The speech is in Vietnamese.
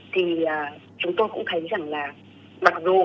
thì chúng tôi cũng thấy rằng là mặc dù là ngày giáo dục